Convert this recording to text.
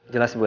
jelas ibu elsa